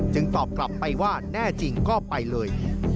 ตอบกลับไปว่าแน่จริงก็ไปเลย